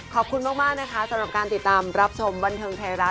ขอบคุณมากนะคะสำหรับการติดตามรับชมบันเทิงไทยรัฐ